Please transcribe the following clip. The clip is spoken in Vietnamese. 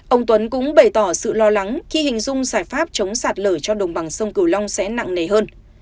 ông tuấn cũng bày tỏ sự lo lắng khi hình dung giải pháp chống sạt lở cho đồng bằng sông cửu long sẽ nặng nề hơn